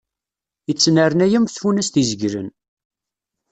Ittnernay am tfunast izeglen.